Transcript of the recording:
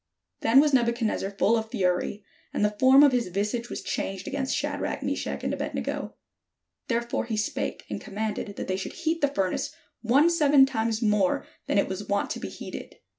Then was Nebuchadnezzar full of fury, and the form of his visage was changed against Shadrach, Meshach, and Abed nego: therefore he spake, and commanded that they should heat the furnace one seven times more than it was wont to be heated.